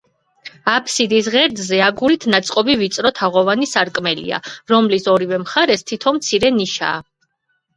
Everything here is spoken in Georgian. აფსიდის ღერძზე აგურით ნაწყობი ვიწრო, თაღოვანი სარკმელია, რომლის ორივე მხარეს თითო, მცირე ნიშაა.